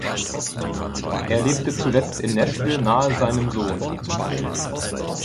Er lebte zuletzt in Nashville nahe seinem Sohn.